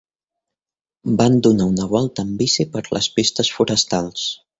Van donar una volta amb bici per les pistes forestals.